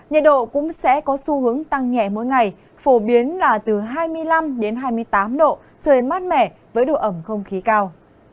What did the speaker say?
nhiệt độ cũng sẽ có xu hướng tăng nhẹ mỗi ngày phổ biến là từ hai mươi năm đến hai mươi tám độ trời mát mẻ với độ ẩm không khí cao